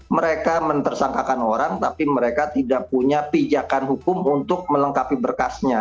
mereka mentersangkakan orang tapi mereka tidak punya pijakan hukum untuk melengkapi berkasnya